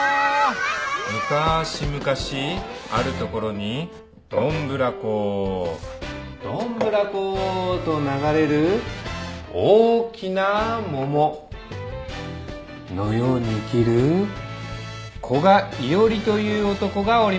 むかし昔あるところにどんぶらこどんぶらこと流れる大きな桃のように生きる古賀一織という男がおりました。